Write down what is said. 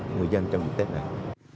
người dân trong dịp tết này